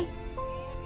ya tidak pernah